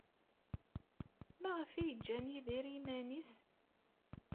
Maɣef ay ǧǧan Yidir i yiman-nnes?